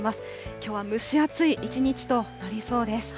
きょうは蒸し暑い一日となりそうです。